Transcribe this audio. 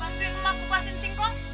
bantuin emak kupasin singkong